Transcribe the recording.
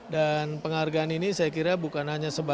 dan penghargaan ini saya kira bukan hanya sebuah